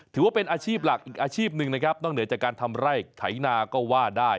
ถือว่าเป็นอาชีพหลักอีกอาชีพหนึ่งนะครับนอกเหนือจากการทำไร่ไถนาก็ว่าได้